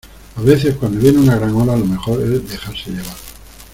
a veces, cuando viene una gran ola , lo mejor es dejarse llevar.